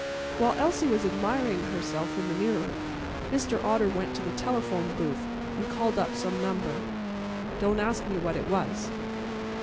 While Elsie was admiring herself in the mirror, Mr. Otter went to the telephone booth and called up some number. Don't ask me what it was.